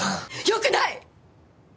よくない！